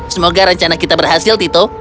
semoga rencana kita berhasil tito